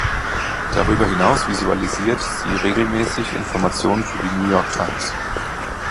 Darüber hinaus visualisiert sie regelmäßig Informationen für die New York Times.